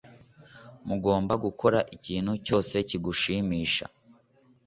Ugomba gukora ikintu cyose kigushimisha